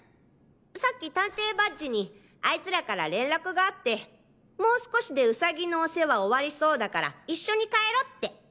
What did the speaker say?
さっき探偵バッジにあいつらから連絡があってもう少しでウサギのお世話終わりそうだから一緒に帰ろって！